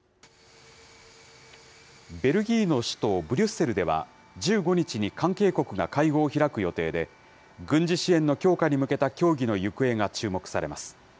ベルギーの首都ブリュッセルでは、１５日に関係国が会合を開く予定で、軍事支援の強化に向けた協議の行方が注目されます。